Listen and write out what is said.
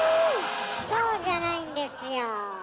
そうじゃないんですよ。